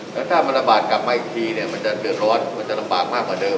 แล้วถ้ามันระบาดกลับมาอีกทีเนี่ยมันจะเดือดร้อนมันจะลำบากมากกว่าเดิม